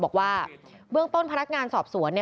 บอกว่าเบื้องต้นพนักงานสอบสวน